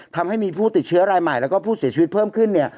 ทำให้มีผู้ติดเชื้อรายใหม่แล้วก็ผู้เสียชีวิตเพิ่มขึ้น